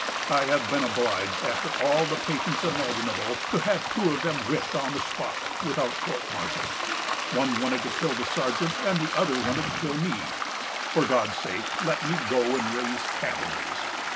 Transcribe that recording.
I have been obliged, after all the patience imaginable, to have two of them whipped on the spot, without court martial. One wanted to kill the sergeant and the other wanted to kill me.... For God's sake, let me go and raise cabbages.